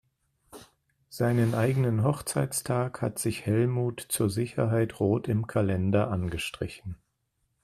Seinen eigenen Hochzeitstag hat sich Helmut zur Sicherheit rot im Kalender angestrichen.